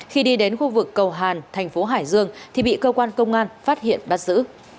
khi đi đến khu vực cầu hàn thành phố hải dương thì bị cơ quan công an phát hiện bắt giữ